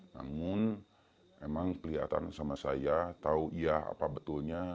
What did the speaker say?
namun emang kelihatan sama saya tahu iya apa betulnya